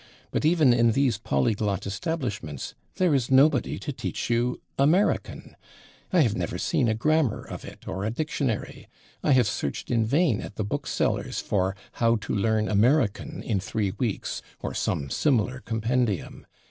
But even in these polyglot establishments there is nobody to teach you American. I have never seen a grammar of it or a dictionary. I have searched in vain at the book sellers for "How to Learn American in Three Weeks" or some similar compendium.